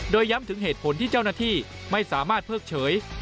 โดยย้ำถึงเหตุผลที่เจ้าหน้าที่ไม่สามารถเพิกเฉย